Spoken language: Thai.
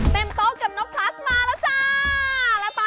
โต๊ะกับนกพลัสมาแล้วจ้า